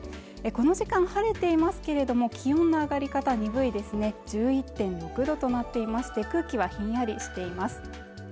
この時間晴れていますけれども気温の上がり方鈍いですね１１．６度となっていまして空気はひんやりしています